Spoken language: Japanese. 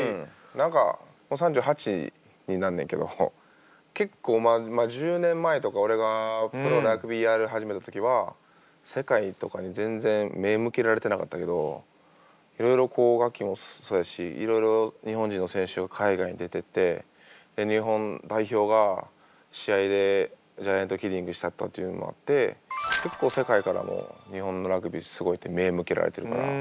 何かもう３８になんねんけど結構１０年前とか俺がプロでラグビーやり始めた時は世界とかに全然目ぇ向けられてなかったけどいろいろこうガッキーもそうやしいろいろ日本人の選手が海外に出てってで日本代表が試合でジャイアントキリングしたったっていうのもあって結構世界からも日本のラグビーすごいって目ぇ向けられてるから。